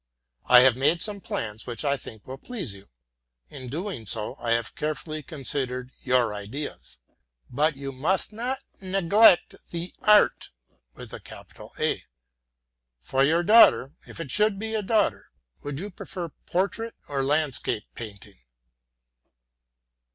I have made some plans which I think will please you. In doing so I have carefully considered your ideas. But you must not neglect the Art! For your daughter, if it should be a daughter, would you prefer portrait or landscape painting?